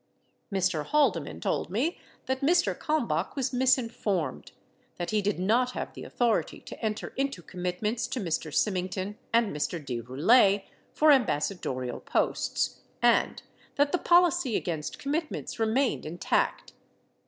Mr. Haldeman told me that Mr. Kalmbach was misinformed, that he did not have the authority to enter into commitments to Mr. Symington and Mr. de Roulet for ambassadorial posts, and that the policy against commitments remained in tact.